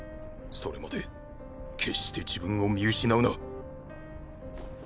それまで決して自分を見失うな。